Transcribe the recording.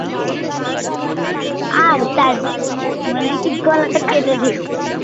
এই মূহুর্তে একটা গরমা-গরম খবর পাওয়া গেছে।